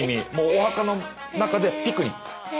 お墓の中でピクニック。